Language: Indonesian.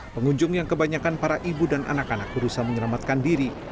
pengunjung yang kebanyakan para ibu dan anak anak berusaha menyelamatkan diri